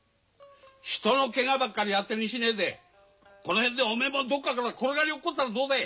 人のケガばっかりあてにしねえでこの辺でおめえもどっかから転がり落っこったらどうだい。